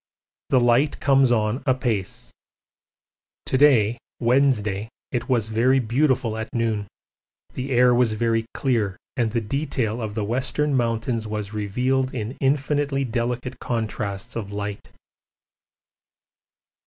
The light comes on apace. To day (Wednesday) it was very beautiful at noon: the air was very clear and the detail of the Western Mountains was revealed in infinitely delicate contrasts of light.